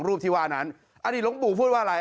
รูปที่ว่านั้นอดีตหลวงปู่พูดว่าอะไร